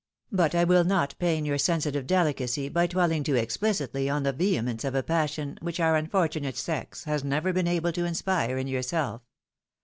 But I wUl not pain your sensitive deUcacy by dwelling too exphcitly on the vehemence of a passion which our unfortunate sex has never been able to inspire in yourself.